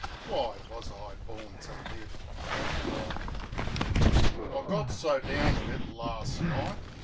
Why was I born to live and long? I get so down to it last night.